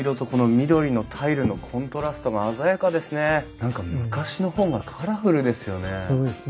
何か昔の方がカラフルですよね。